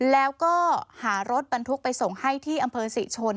แล้วก็หารถบรรทุกไปส่งให้ที่อำเภอศรีชน